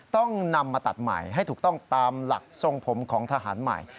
ต้องนำมาตัดใหม่ให้ถูกต้องตามหลักทรงผมของทหารใหม่